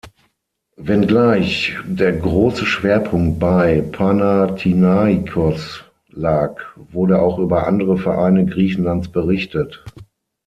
Wenngleich der große Schwerpunkt bei Panathinaikos lag, wurde auch über andere Vereine Griechenlands berichtet.